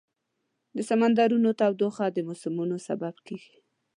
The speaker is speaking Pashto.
د سمندرونو تودوخه د موسمونو سبب کېږي.